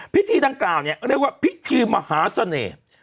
พิธีดังกล่าวเนี่ยเรียกว่าพิธีมหาเสน่ห์